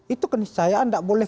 itu keniscayaan gak boleh